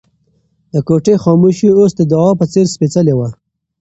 د کوټې خاموشي اوس د دعا په څېر سپېڅلې وه.